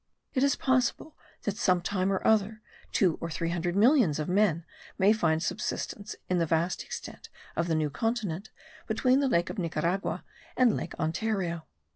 It is possible that some time or other, two or three hundred millions of men may find subsistence in the vast extent of the new continent between the lake of Nicaragua and lake Ontario.